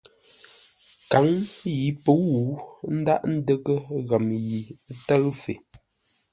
Kǎŋ yi pə̌u ə́ dǎghʼ də́ghʼə́ ghəm yi ə́ tə́ʉ fe.